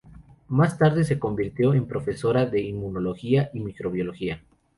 Más tarde se convirtió en profesora de inmunología y microbiología.